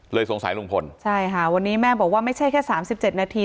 สงสัยลุงพลใช่ค่ะวันนี้แม่บอกว่าไม่ใช่แค่สามสิบเจ็ดนาที